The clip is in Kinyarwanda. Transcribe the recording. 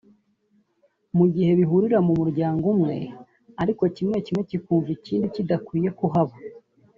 mu gihe bihurira mu muryango umwe ariko kimwe kimwe kikumva ikindi kidakwiye kuhaba